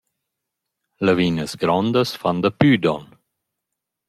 Lavinas grondas fan daplü don.»